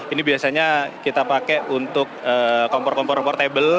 ini biasanya kita pakai untuk kompor kompor portable